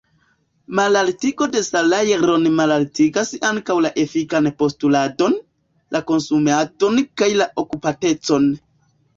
Malaltigo de salajroj malaltigas ankaŭ la efikan postuladon, la konsumadon kaj la okupatecon.